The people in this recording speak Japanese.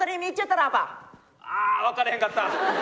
ああ分からへんかった！